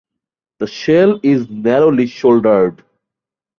The shell is narrowly shouldered.